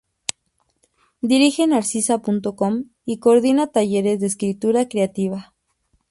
Dirige Narcisa.com y coordina talleres de escritura creativa.